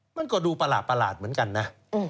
มันก็ดูประหลาดเหมือนกันนะ